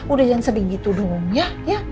udah jangan sedih gitu dong ya